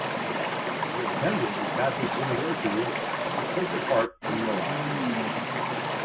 He attended the Catholic University of the Sacred Heart in Milan.